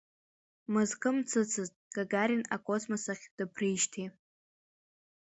Мызкы мҵыцызт Гагарин акосмос ахь дыԥрижьҭеи.